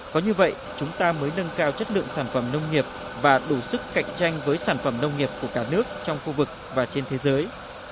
có như vậy chúng ta mới nâng cao chất lượng sản phẩm nông nghiệp và đủ sức cạnh tranh với sản phẩm nông nghiệp của cả nước trong khu vực và trên thế giới